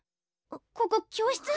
ここ教室？